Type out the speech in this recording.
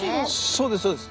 そうですそうです。